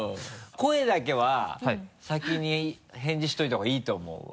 声だけは先に返事しておいた方がいいと思うわ。